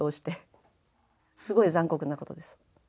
すごい残酷なことです。